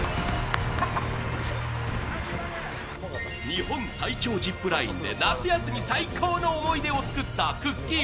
日本最長ジップラインで夏休み最高の思い出を作ったくっきー！